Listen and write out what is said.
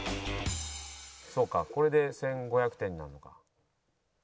そうかこれで１５００点になるのか。